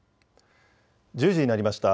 １０時になりました。